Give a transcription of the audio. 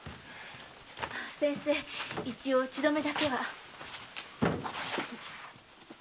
先生一応血どめだけは。